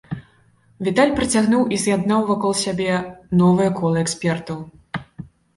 Віталь прыцягнуў і з'яднаў вакол сябе новае кола экспертаў.